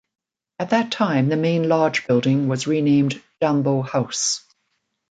At that time, the main lodge building was renamed Jambo House.